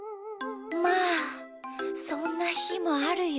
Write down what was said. まあそんなひもあるよ。